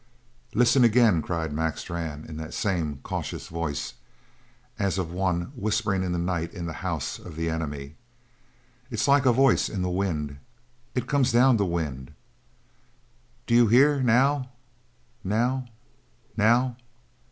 "Listen again!" cried Mac Strann in that same cautious voice, as of one whispering in the night in the house of the enemy. "It's like a voice in the wind. It comes down the wind. D'ye hear now now now?"